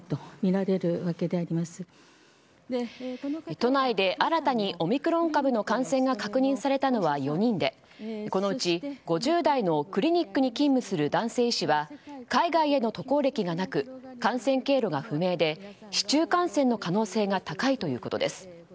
都内で新たにオミクロン株の感染が確認されたのは４人でこのうち５０代のクリニックに勤務する男性医師は海外への渡航歴がなく感染経路が不明で市中感染の可能性が高いということです。